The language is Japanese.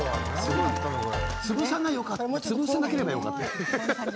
潰さなければよかった。